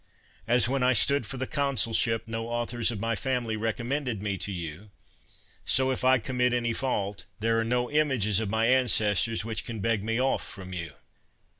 As, when I stood for the consulship, no authors of my family recom mended me to you; so, if I commit any fault, there are no images of my ancestors which can beg me off from you.